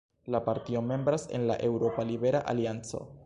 La partio membras en la Eŭropa Libera Alianco.